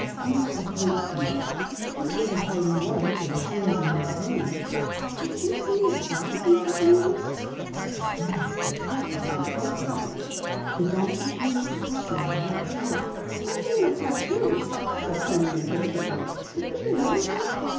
"Not a great deal. He ate a hearty lunch and seems in no pain." "Did you see his back, Mrs. Weems?" "Yes, the cut was an ugly one. The doctor changed the dressing while he was here." "I mean the tattoo," said Penny impatiently. "Didn't you notice it?"